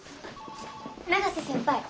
永瀬先輩